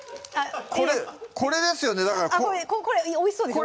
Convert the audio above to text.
これですよねだからこれおいしそうですよ